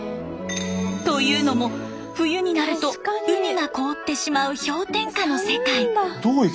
というのも冬になると海が凍ってしまう氷点下の世界。